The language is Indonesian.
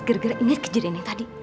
gerger ingat kejadian yang tadi